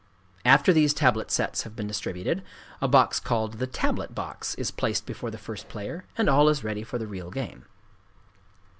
After these tablet sets have been distributed, a box called the "tablet box" is placed before the first player; and all is ready for the real game.